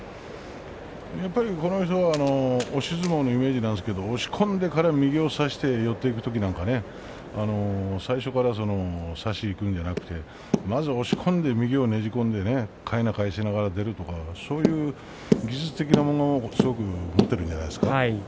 この人は押し相撲のイメージなんですけど押し込んでから右を差して寄っていくなど最初から差しにいくのではなくてまず押し込んで右をねじ込んでかいなを返しながら出るとかそういう技術的なものをすごく持っているんじゃないですか。